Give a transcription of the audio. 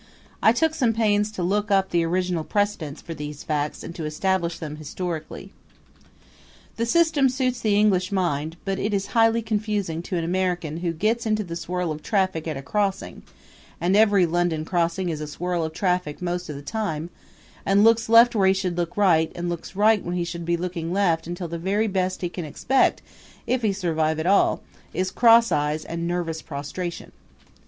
I took some pains to look up the original precedents for these facts and to establish them historically. The system suits the English mind, but it is highly confusing to an American who gets into the swirl of traffic at a crossing and every London crossing is a swirl of traffic most of the time and looks left when he should look right, and looks right when he should be looking left until the very best he can expect, if he survive at all, is cross eyes and nervous prostration.